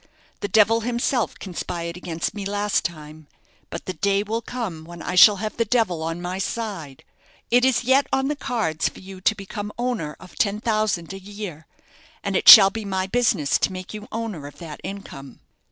The devil himself conspired against me last time; but the day will come when I shall have the devil on my side. It is yet on the cards for you to become owner of ten thousand a year; and it shall be my business to make you owner of that income."